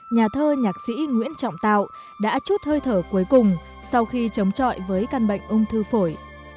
nhà thơ nhạc sĩ nguyễn trọng tạo đã chút hơi thở cuối cùng sau khi chống chọi với căn bệnh ung thư phổi